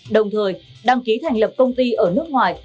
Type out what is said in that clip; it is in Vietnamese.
đồng thời đăng ký thành lập công ty ở nước ngoài